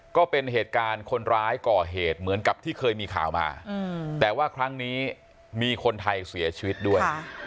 ก็เป็นเหตุการณ์คนร้ายก่อเหตุเหมือนกับที่เคยมีข่าวมาแต่ว่าครั้งนี้มีคนไทยเสียชีวิตด้วย